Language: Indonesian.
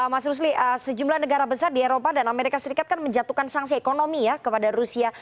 mas rusli sejumlah negara besar di eropa dan amerika serikat kan menjatuhkan sanksi ekonomi ya kepada rusia